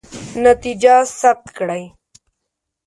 نتیجه ثبت کړئ.